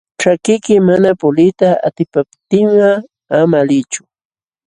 Ćhakiyki mana puliyta atipaptinqa ama liychu.